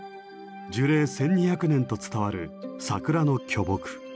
樹齢１，２００年と伝わる桜の巨木。